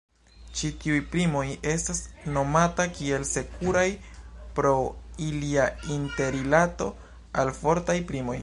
Ĉi tiuj primoj estas nomata kiel "sekuraj" pro ilia interrilato al fortaj primoj.